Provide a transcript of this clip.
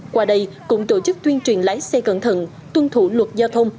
qua đây cũng tổ chức tuyên truyền lái xe cẩn thận tuân thủ luật giao thông